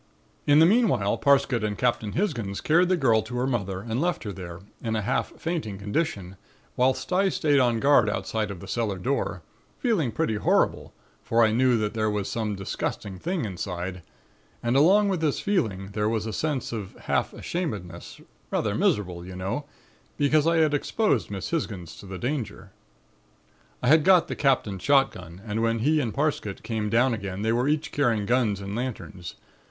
"In the meanwhile Parsket and Captain Hisgins carried the girl to her mother and left her there, in a half fainting condition whilst I stayed on guard outside of the cellar door, feeling pretty horrible for I knew that there was some disgusting thing inside, and along with this feeling there was a sense of half ashamedness, rather miserable, you know, because I had exposed Miss Hisgins to the danger. "I had got the Captain's shotgun and when he and Parsket came down again they were each carrying guns and lanterns.